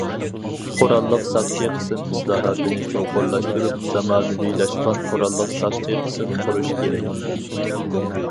قوراللىق ساقچى قىسىم ئىسلاھاتىنى چوڭقۇرلاشتۇرۇپ، زامانىۋىلاشقان قوراللىق ساقچى قىسىم قۇرۇش كېرەك.